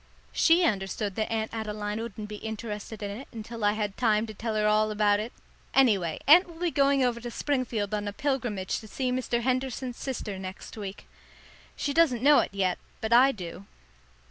She understood that Aunt Adeline wouldn't be interested in it until I had time to tell her all about it. Anyway, Aunt will be going over to Springfield on a pilgrimage to see Mr. Henderson's sister next week. She doesn't know it yet; but I do.